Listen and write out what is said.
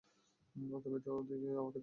তুমি তো আমাকে দেখোওনি।